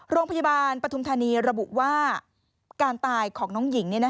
โรงพยาบาลปธุมธานีระบุว่าการตายของน้องหญิง